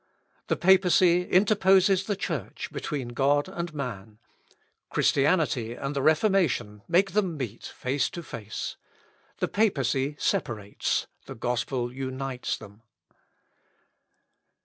The Papacy interposes the Church between God and man. Christianity and the Reformation make them meet face to face. The Papacy separates the Gospel unites them.